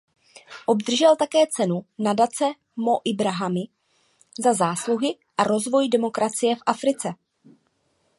Obdržel také cenu nadace Mo Ibrahima za zásluhy o rozvoj demokracie v Africe.